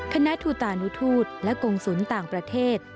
คณะทูตานุทูตและกงศูนย์ต่างประเทศ